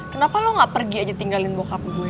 kenapa lo gak pergi aja ke tempat lo bakal